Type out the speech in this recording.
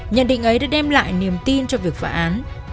nhận định ấy đã đem lại niềm tin cho việc phá án